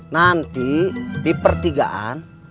nanti di pertigaan